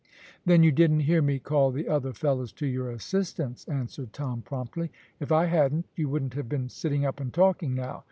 "Then you didn't hear me call the other fellows to your assistance," answered Tom promptly. "If I hadn't you wouldn't have been sitting up and talking now.